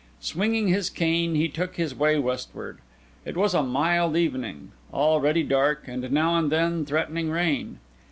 Swinging his cane, he took his way westward. It was a mild evening, already dark, and now and then threatening rain.